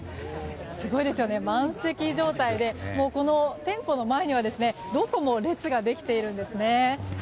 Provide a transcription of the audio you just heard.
すごいですよね、満席状態で店舗の前にはどこも列ができているんですね。